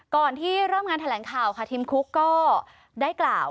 ก่อนที่เริ่มงานแถลงข่าวค่ะทีมคุกก็ได้กล่าว